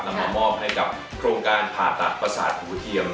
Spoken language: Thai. นำมามอบให้กับโครงการผ่าตัดประสาทหูเทียม